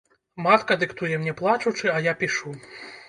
Матка дыктуе мне плачучы, а я пішу.